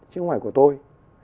chứ không phải của tôi